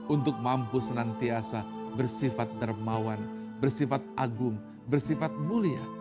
untuk mampu senantiasa bersifat dermawan bersifat agung bersifat mulia